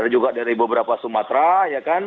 juga dari beberapa sumatera ya kan